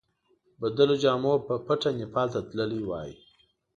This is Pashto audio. بدلو جامو په پټه نیپال ته تللی وای.